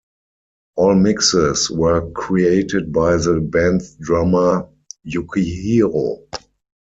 All mixes were created by the band's drummer, Yukihiro.